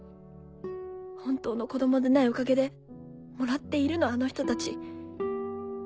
本当の子供でないおかげでもらっているのあの人たち。